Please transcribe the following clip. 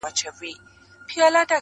ښه خلک د امید سرچینه وي.